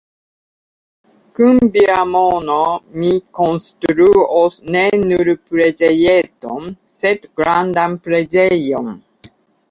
Kun via mono mi konstruos ne nur preĝejeton, sed grandan preĝejon.